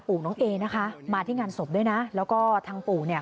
น้องเอนะคะมาที่งานศพด้วยนะแล้วก็ทางปู่เนี่ย